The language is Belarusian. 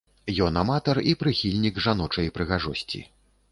Ён аматар і прыхільнік жаночай прыгажосці.